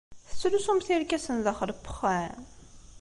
Tettlusumt irkasen daxel n uxxam?